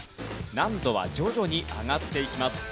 難度は徐々に上がっていきます。